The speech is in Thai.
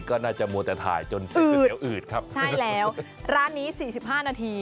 ก็น่าจะมวลแต่ถ่ายจนอึดใช่แล้วร้านนี้๔๕นาที